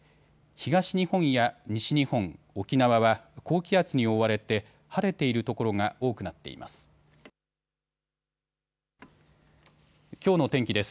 東日本や西日本、沖縄は高気圧に覆われて晴れている所が多くなっています。